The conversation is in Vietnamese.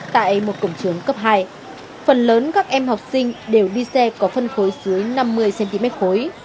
tại một cổng trường cấp hai phần lớn các em học sinh đều đi xe có phân khối dưới năm mươi cm khối